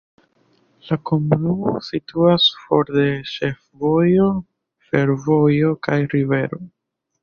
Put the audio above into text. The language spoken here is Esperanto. La komunumo situas for de ĉefvojo, fervojo kaj rivero.